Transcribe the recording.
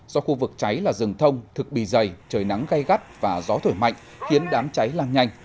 do khu vực cháy là rừng thông thực bì dày trời nắng gây gắt và gió thổi mạnh khiến đám cháy lang nhanh